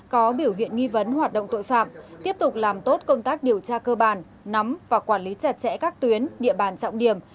có biểu hiện nghi vấn hoạt động tội phạm tiếp tục làm tốt công tác điều tra cơ bản nắm và quản lý chặt chẽ các tuyến địa bàn trọng điểm